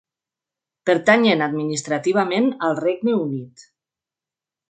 Pertanyen administrativament al Regne Unit.